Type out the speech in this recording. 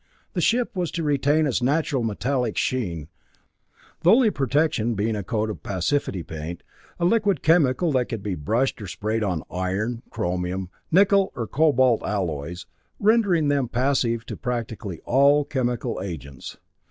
The ship was to retain its natural metallic sheen, the only protection being a coat of "passivity paint" a liquid chemical that could be brushed or sprayed on iron, chromium, nickel or cobalt alloys, rendering them passive to practically all chemical agents.